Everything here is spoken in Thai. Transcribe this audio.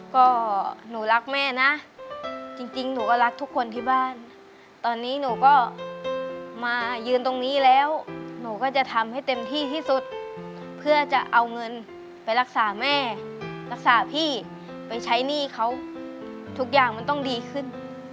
ก็หนูรักแม่นะจริงหนูก็รักทุกคนที่บ้านตอนนี้หนูก็มายืนตรงนี้แล้วหนูก็จะทำให้เต็มที่ที่สุดเพื่อจะเอาเงินไปรักษาแม่รักษาพี่ไปใช้หนี้เขาทุกอย่างมันต้องดีขึ้น